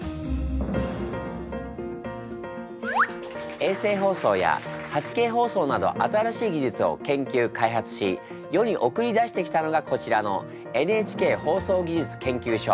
衛星放送や８Ｋ放送など新しい技術を研究開発し世に送り出してきたのがこちらのＮＨＫ放送技術研究所。